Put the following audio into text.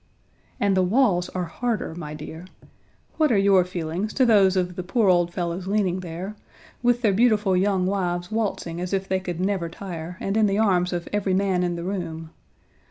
"And the walls are harder, my dear. What are your feelings to those of the poor old fellows leaning there, with, their beautiful young wives waltzing as if they could never tire and in the arms of every man in the room.